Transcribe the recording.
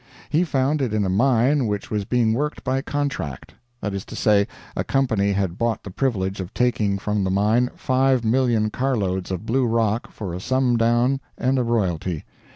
He found it in a mine which was being worked by contract. That is to say, a company had bought the privilege of taking from the mine 5,000,000 carloads of blue rock, for a sum down and a royalty.